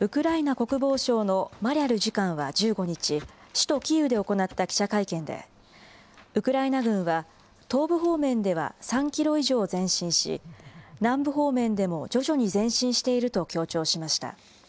ウクライナ国防省のマリャル次官は１５日、首都キーウで行った記者会見で、ウクライナ軍は東部方面では３キロ以上前進し、南部方面でも徐々に前進していると強調しました。